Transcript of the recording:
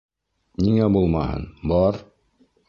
— Ниңә булмаһын, бар.